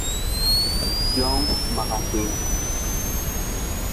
Young Magazine